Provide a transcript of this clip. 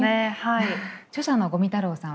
著者の五味太郎さんはですね